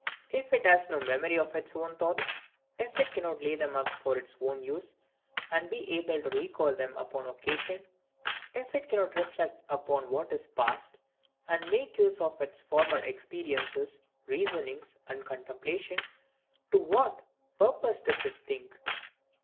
If it has no memory of its own thoughts; if it cannot lay them up for its own use, and be able to recall them upon occasion; if it cannot reflect upon what is past, and make use of its former experiences, reasonings, and contemplations, to what purpose does it think?